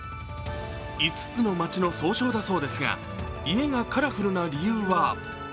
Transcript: ５つの町の総称だそうですが家がカラフルな理由は？